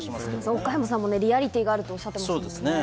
岡山さんもリアリティーがあるとおっしゃってましたもんね。